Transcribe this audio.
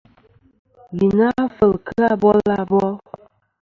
Yì na kfel kɨ abil abol.